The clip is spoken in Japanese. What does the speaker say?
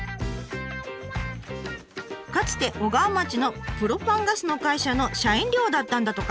かつて小川町のプロパンガスの会社の社員寮だったんだとか。